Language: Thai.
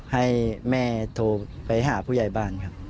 ให้แม่โทรไปหาผู้ใหญ่บ้านครับ